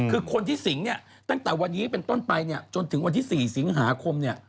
คือคนที่สิงเนี่ยตั้งแต่วันนี้เป็นต้นไปเนี่ยจนถึงวันที่๔สิงหาคมเนี่ย